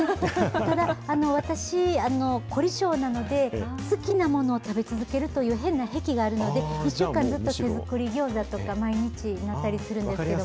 ただ、私、凝り性なので、好きなものを食べ続けるという、変な癖があるので、１週間ずっと手作りギョーザとか、毎日なったりするんですけど。